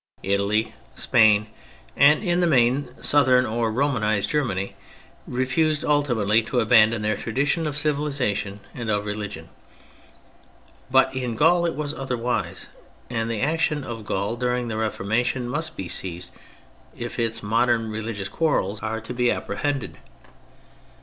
Italy, Spain, and in the main southern or Romanised Germany, refused ultimately to abandon their tradition of civilisation and of religion. But in Gaul it was otherwise — and the action of Gaul during the Reformation must be seized if its modern religious quarrels are to be appre 224 THE FRENCH REVOLUTION hended.